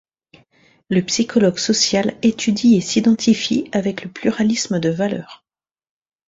Le psychologue social étudie et s'identifie avec le pluralisme de valeurs.